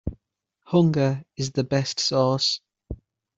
Hunger is the best sauce.